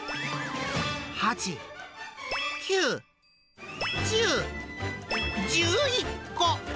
８、９、１０、１１個。